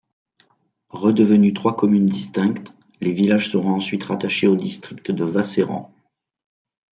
Redevenus trois communes distinctes, les villages seront ensuite rattachées au district de Wasseramt.